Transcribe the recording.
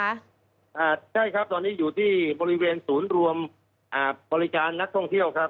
อ่าใช่ครับตอนนี้อยู่ที่บริเวณศูนย์รวมอ่าบริการนักท่องเที่ยวครับ